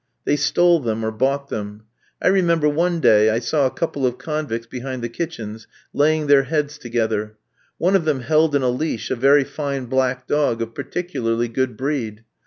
They stole them or bought them. I remember one day I saw a couple of convicts behind the kitchens laying their heads together. One of them held in a leash a very fine black dog of particularly good breed.